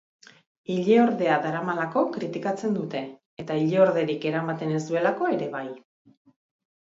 Ileordea daramalako kritikatzen dute, eta ileorderik eramaten ez duelako ere bai.